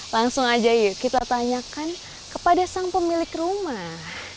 langsung aja yuk kita tanyakan kepada sang pemilik rumah